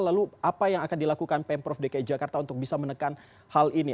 lalu apa yang akan dilakukan pemprov dki jakarta untuk bisa menekan hal ini